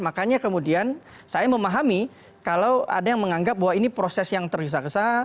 makanya kemudian saya memahami kalau ada yang menganggap bahwa ini proses yang tergesa gesa